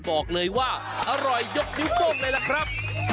บอกเลยว่าอร่อยยกนิ้วโป้งเลยล่ะครับ